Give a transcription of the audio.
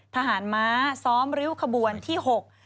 ทหารม้าซ้อมริ้วขบวนที่หก